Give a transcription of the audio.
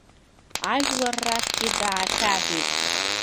Ажәлар рахьгьы даахьаҳәит…